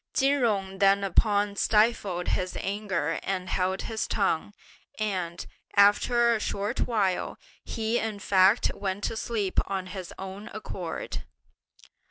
Chin Jung thereupon stifled his anger and held his tongue; and, after a short while, he in fact went to sleep of his own accord.